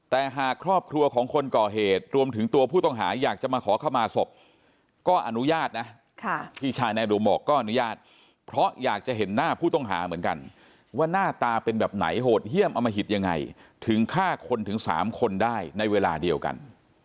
แต่หากครอบครัวของคนก่อเหตุรวมถึงตัวผู้ต้องหาอยากจะมาขอเข้ามาศพก็อนุญาตนะพี่ชายนายอรุมบอกก็อนุญาตเพราะอยากจะเห็นหน้าผู้ต้องหาเหมือนกันว่าหน้าตาเป็นแบบไหนโหดเยี่ยมอมหิตยังไงถึงฆ่าคนถึง๓คนได้ในเวลาเดียวกัน